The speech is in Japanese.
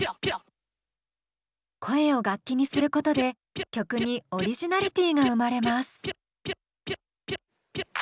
声を楽器にすることで曲にオリジナリティーが生まれます。